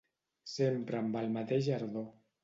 Sempre amb el mateix ardor.